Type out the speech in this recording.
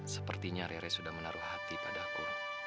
sepertinya rere sudah menaruh hati padaku